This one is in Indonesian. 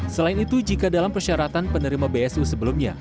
selain itu jika dalam persyaratan penerima bsu sebelumnya